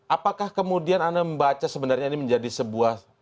apakah kemudian anda membaca sebenarnya ini menjadi sebuah